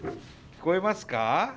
聞こえます。